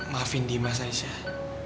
maafin dimas aisyah